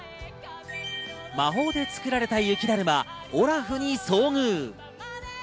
魔法で作られた雪だるまオラフに遭遇。